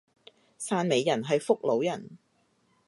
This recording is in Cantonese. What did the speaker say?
汕尾人係福佬人